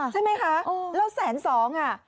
ใช่ไหมคะแล้วแสนสองอ่ะ